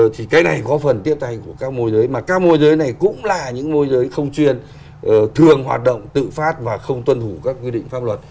thì cái này có phần tiếp tay của các môi giới mà các môi giới này cũng là những môi giới không chuyên thường hoạt động tự phát và không tuân thủ các quy định pháp luật